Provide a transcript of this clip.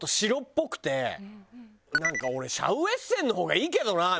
なんか俺シャウエッセンの方がいいけどなみたいな。